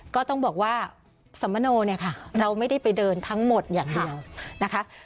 ก็ต้องบอกว่าสมโนเนี่ยค่ะเราไม่ได้ไปเดินทั้งหมดอย่างเดียวนะคะ